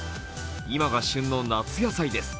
今が旬の夏野菜です。